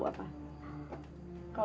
kalau pikir aku gak tau apa